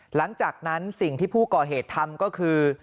หลังจากนั้นสิ่งที่ผู้ก่อเหตุทำก็คือ